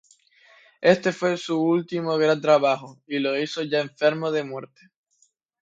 Este fue su último gran trabajo y lo hizo ya enfermo de muerte.